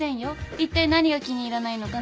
いったい何が気に入らないのかな？